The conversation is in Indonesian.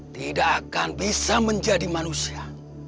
tidak akan bisa menjadi manusia